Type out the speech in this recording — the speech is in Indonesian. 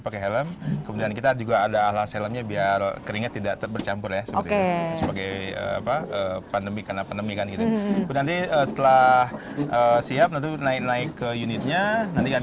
pakai helm kemudian kita juga ada alas helmnya biar keringat tidak tercampur ya